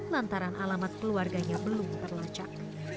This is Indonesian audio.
lantaran alamat keluarganya belum terlacak